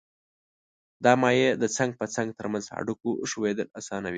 دا مایع د څنګ په څنګ تر منځ هډوکو ښویېدل آسانوي.